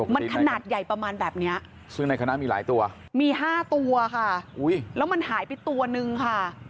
มันขนาดใหญ่ประมาณแบบนี้ซึ่งในคณะมีหลายตัวมี๕ตัวค่ะแล้วมันหายไปตัวนึงค่ะ